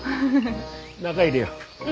中入れよう。